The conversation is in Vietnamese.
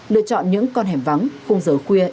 lựa chọn những con hẻm vắng khung giờ khuya